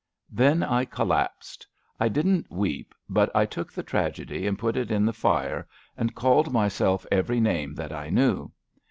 Then I collapsed. I didn't weep, but I took the tragedy and put it in the fire, and called myself every name that I knew.